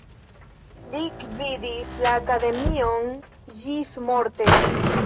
Li gvidis la akademion ĝismorte.